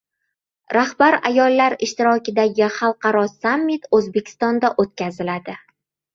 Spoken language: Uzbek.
Rahbar ayollar ishtirokidagi xalqaro sammit O‘zbekistonda o‘tkaziladi